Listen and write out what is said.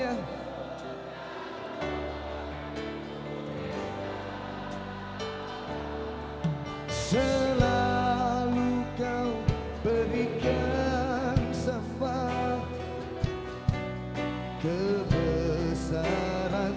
itu lebih baik kita lihat azora